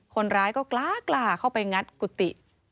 คนร้ายก็กล้าเข้าไปงัดกุฏิ